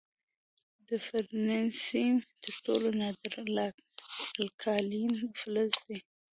د فرنسیم تر ټولو نادر الکالین فلز دی.